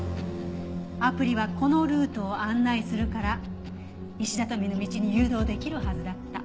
アプリはこのルートを案内するから石畳の道に誘導できるはずだった。